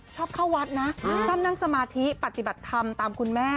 ชอบเข้าวัดนะชอบนั่งสมาธิปฏิบัติธรรมตามคุณแม่